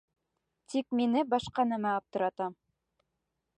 Тик мине башҡа нәмә аптырата.